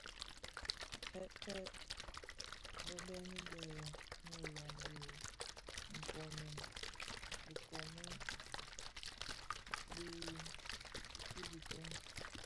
Fëfë, bëbëni bè muloň bë koomèn ki bituu.